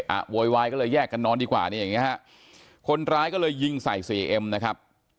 โวยวายก็เลยแยกกันนอนดีกว่าเนี่ยอย่างเงี้ฮะคนร้ายก็เลยยิงใส่เสียเอ็มนะครับ